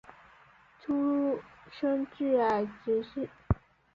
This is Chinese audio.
出身自爱知县。